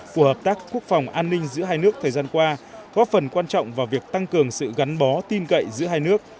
phù hợp tác quốc phòng an ninh giữa hai nước thời gian qua góp phần quan trọng vào việc tăng cường sự gắn bó tin cậy giữa hai nước